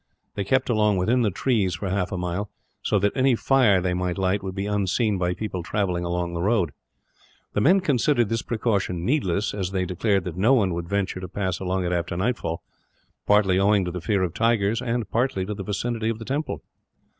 They kept along within the trees for half a mile, so that any fire they might light would be unseen by people travelling along the road. The men considered this precaution needless, as they declared that no one would venture to pass along it after nightfall; partly owing to the fear of tigers, and partly to the vicinity of the temple.